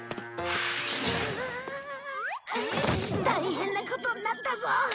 大変なことになったぞ。